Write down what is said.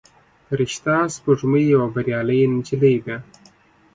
فرشته سپوږمۍ یوه بریالۍ نجلۍ ده.